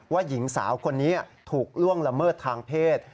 หญิงสาวคนนี้ถูกล่วงละเมิดทางเพศ